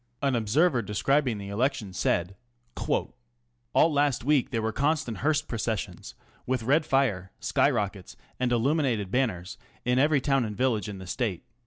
An observer describing the election said : ŌĆö Ō¢Ā All last week there were constant Hearst processions, with red fire, sky rockets, and illuminated banners, in every town and village in the Stale.